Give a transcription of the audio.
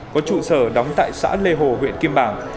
có trụ sở đóng tại xã lê hồ huyện kim bảng